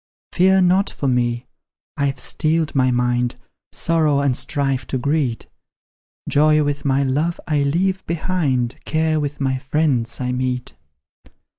Fear not for me I've steeled my mind Sorrow and strife to greet; Joy with my love I leave behind, Care with my friends I meet.